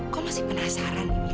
kau masih penasaran emil